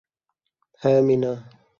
হ্যাঁ, মীনা।